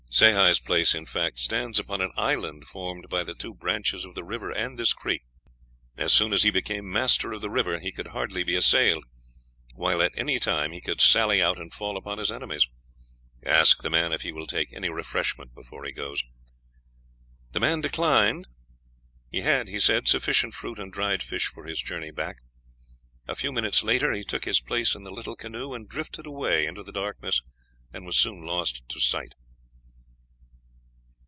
"Sehi's place, in fact, stands upon an island formed by the two branches of the river and this creek. As soon as he became master of the river, he could hardly be assailed, while at any time he could sally out and fall upon his enemies. Ask the man if he will take any refreshment before he goes." The man declined. He had, he said, sufficient fruit and dried fish for his journey back. A few minutes later he took his place in the little canoe and drifted away into the darkness, and was soon lost to sight.